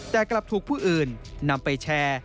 แต่กลับถูกผู้อื่นนำไปแชร์